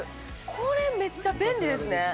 これめっちゃ便利ですね。